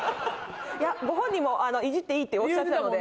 ご本人もイジっていいっておっしゃってたので。